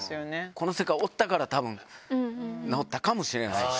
この世界おったから、たぶん、治ったかもしれないし。